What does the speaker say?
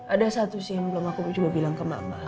ada satu sih yang belum aku coba bilang ke mama